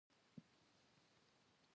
د ویښتانو ښه ږمنځول د ښکلا سبب ګرځي.